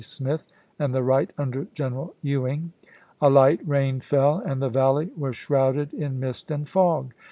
Smith, and the right under General Ewing. A light rain fell, and the valley was shrouded in mist and fog.